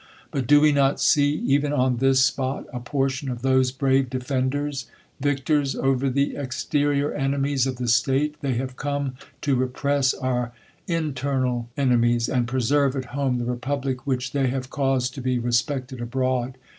But do we not see, even on this spot, a portion ot tbose brave deienders ? Victors over the exterior ene mies of the state, they have come to repress our inter nal enemies; and preserve at home the republic which TliE COLUMBIAN ORATOR. 85 v^hich they have caused to be respected abroad.